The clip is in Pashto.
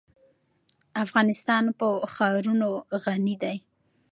افغانستان په ښارونه غني دی.